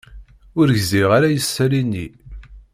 Ur gziɣ ara isali-nni.